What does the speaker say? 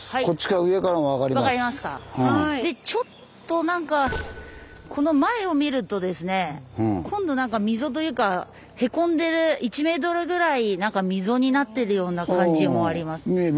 でちょっとなんかこの前を見るとですね今度なんか溝というかへこんでる１メートルぐらい溝になってるような感じもあります。